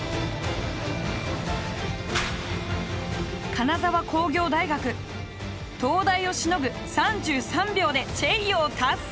金沢工業大学東大をしのぐ３３秒でチェイヨー達成！